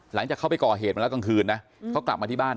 หลังจากเขาไปก่อเหตุมาแล้วกลางคืนนะเขากลับมาที่บ้าน